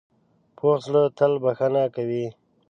پوخ زړه تل بښنه کوي